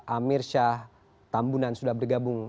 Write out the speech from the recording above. amir syah tambunan sudah bergabung